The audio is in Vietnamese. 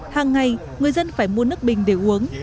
hàng ngày người dân phải mua nước bình để uống